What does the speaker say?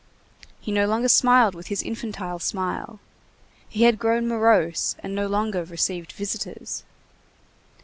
He no longer smiled with his infantile smile, he had grown morose and no longer received visitors.